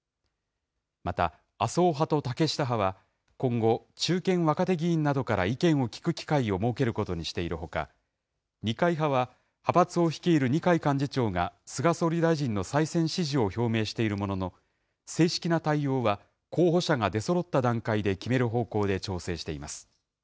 また、麻生派と竹下派は今後、中堅、若手議員などから意見を聞く機会を設けることにしているほか、二階派は派閥を率いる二階幹事長が菅総理大臣の再選支持を表明しているものの、正式な対応は、候補者が出そろった段階で決める方向で調整しています。